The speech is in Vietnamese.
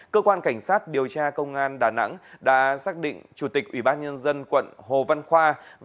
cơ quan cảnh sát điều tra công an đà nẵng đã xác định chủ tịch ubnd quận hồ văn khoa